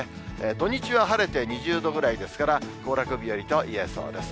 土日は晴れて、２０度ぐらいですから、行楽日和といえそうです。